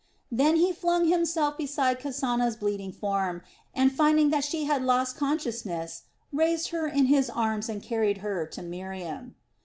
Then he flung himself beside Kasana's bleeding form, and finding that she had lost consciousness, raised her in his arms and carried her to Miriam.